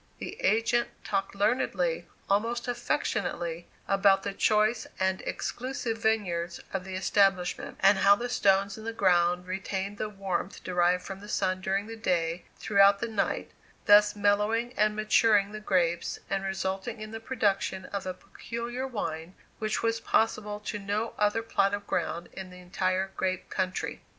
The agent talked learnedly, almost affectionately, about the choice and exclusive vineyards of the establishment, and how the stones in the ground retailed the warmth derived from the sun during the day throughout the night, thus mellowing and maturing the grapes, and resulting in the production of a peculiar wine which was possible to no other plot of ground in the entire grape country.